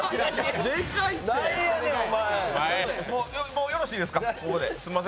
もうよろしいですか。